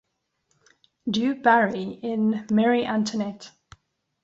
Du Barry in "Marie Antoinette".